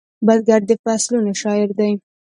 بزګر د فصلونو شاعر دی